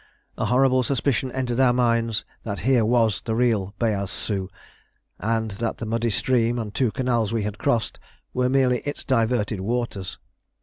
A horrible suspicion entered our minds that here was the real Beyaz Sou, and that the muddy stream and two canals we had crossed were merely its diverted waters.